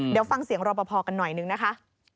เดี๋ยวฟังเสียงรอปภกันหน่อยนึงนะคะ